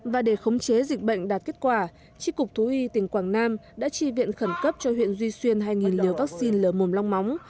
và để khống chế dịch bệnh đạt kết quả tri cục thú y tỉnh quảng nam đã tri viện khẩn cấp cho huyện duy xuyên hai liều vaccine lở mồm long móng